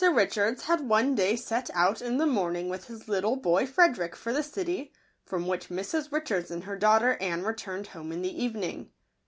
RICHARDS had one day set out in ^rKj the morning with his little boy Fre Rnk derick for the city, from which Mrs. Richards and her daughter Anne re turned home in the evening.